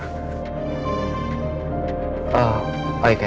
jadi pak nino apa yang kamu mau ngelakuin